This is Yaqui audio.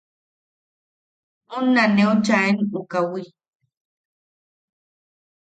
Unna neu chaaen u kawi.